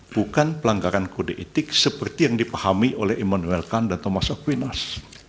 bukan pelanggaran kode etik seperti yang dipahami oleh emmanuel kanda thomas akuinas